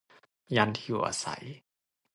ย่านที่อยู่อาศัย